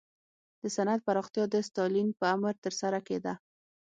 د صنعت پراختیا د ستالین په امر ترسره کېده